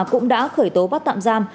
cũng đã khởi tố bắt tạm giam